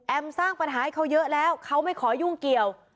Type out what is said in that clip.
สร้างปัญหาให้เขาเยอะแล้วเขาไม่ขอยุ่งเกี่ยว